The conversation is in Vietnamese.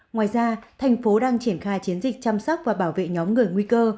ngoài ra thành phố đang triển khai chiến dịch chăm sóc và bảo vệ nhóm người nguy cơ